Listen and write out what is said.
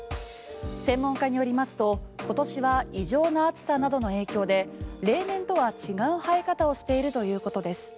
専門家によりますと今年は異常な暑さなどの影響で例年とは違う生え方をしているということです。